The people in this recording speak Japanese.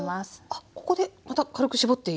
あっここでまた軽く絞っていいわけですか？